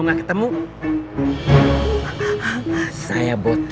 jangan macem macem sama anak muslihat